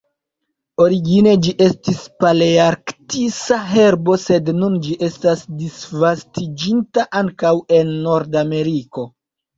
Origine ĝi estis palearktisa herbo sed nun ĝi estas disvastiĝinta ankaŭ en Nordameriko.